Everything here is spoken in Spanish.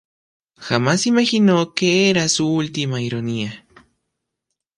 Jamás imaginó que era su última ironía.